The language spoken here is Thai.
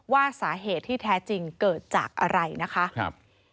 ว่าสาเหตุที่แท้จริงเกิดจากอะไรนะคะครับ